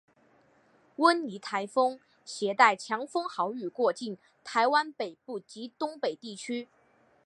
温妮台风挟带强风豪雨过境台湾北部及东北部地区。